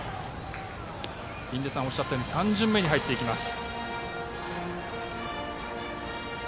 印出さんがおっしゃったように３巡目に入っていきます。